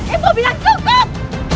ibu mirang cukup